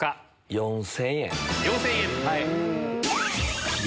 ４０００円。